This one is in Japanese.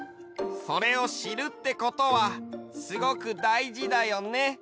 それをしるってことはすごくだいじだよね。